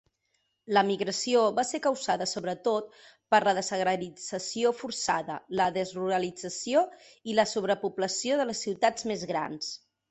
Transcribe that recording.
L'emigració va ser causada sobretot per la desagrarització forçada, la desruralització i la sobrepoblació de les ciutats més grans.